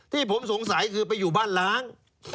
ที่ผมสงสัยคือไปอยู่บ้านล้าง